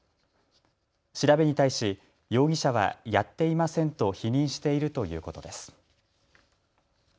調べに対し容疑者はやっていませんと否認しているということです。